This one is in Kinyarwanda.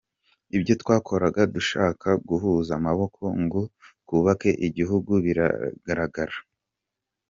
Ibyo twakoraga dushaka guhuza amaboko ngo twubake igihugu biragaragara, abo bigaragariye bigatuma bifuza kutwigiraho.